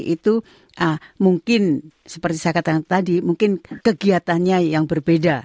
itu mungkin seperti saya katakan tadi mungkin kegiatannya yang berbeda